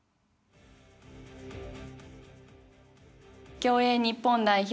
競泳日本代表